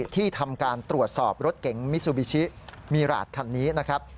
ที่ทำการตรวจสอบรถเก๋งมิซูบิชิมีราชคันนี้นะครับ